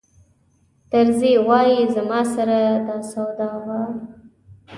طرزي وایي زما سره دا سودا وه.